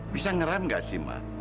bisa ngeran gak sih ma